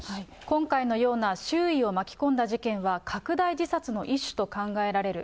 今回のような周囲を巻き込んだ事件は拡大自殺の一種と考えられる。